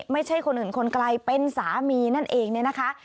ไม่ใช่คนอื่นคนไกลเป็นสามีนั่นเองเนี่ยนะคะ